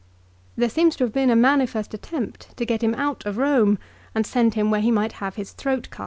There seems to have been a manifest attempt to get him out of Rome and send him where he might have his throat cut.